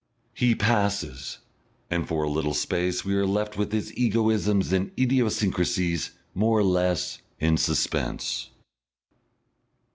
He passes, and for a little space we are left with his egoisms and idiosyncrasies more or less in suspense.